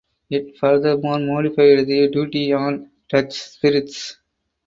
It furthermore modified the duty on Dutch spirits.